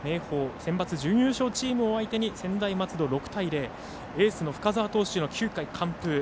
センバツ準優勝チームを相手に専大松戸６対０エースの深沢投手の９回完封。